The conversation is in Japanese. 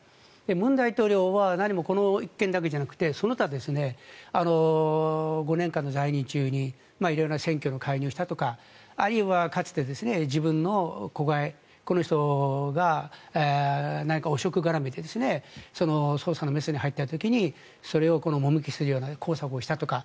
文大統領は何もこの一件だけじゃなくてその他ですね５年間の在任中に色々、選挙に介入したとかあるいはかつて、自分の子飼いこの人が何か汚職絡みで捜査のメスが入った時にもみ消すような工作をしたとか。